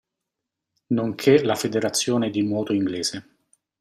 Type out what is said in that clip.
Nonché la federazione di nuoto inglese.